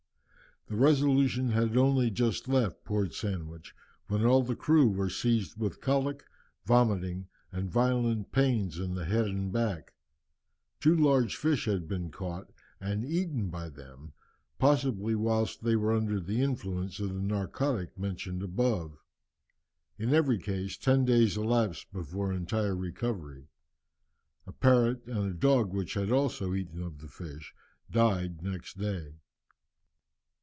The Resolution had only just left Port Sandwich when all the crew were seized with colic, vomiting, and violent pains in the head and back. Two large fish had been caught and eaten by them, possibly whilst they were under the influence of the narcotic mentioned above. In every case, ten days elapsed before entire recovery. A parrot and dog which had also eaten of the fish died next day.